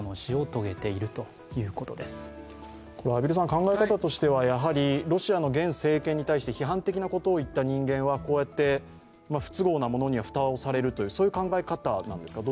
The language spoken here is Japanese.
考え方としては、ロシアの現政権に対して批判的なことを言った人間は、こうやって不都合なものには蓋をされるという考え方ですか？